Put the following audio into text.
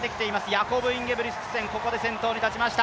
ヤコブ・インゲブリクセン、ここで先頭に立ちました。